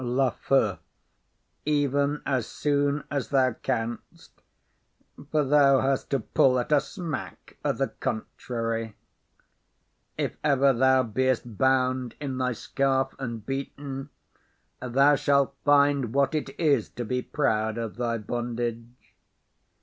LAFEW. Ev'n as soon as thou canst, for thou hast to pull at a smack o' th' contrary. If ever thou beest bound in thy scarf and beaten, thou shalt find what it is to be proud of thy bondage.